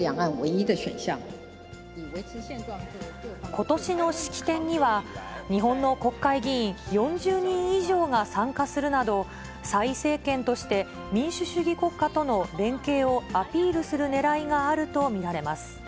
ことしの式典には、日本の国会議員４０人以上が参加するなど、蔡政権として、民主主義国家との連携をアピールするねらいがあると見られます。